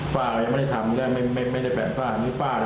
ฝาก็ไม่เห็นไม่ไม่แปะฝาก็ดูน้ำนี้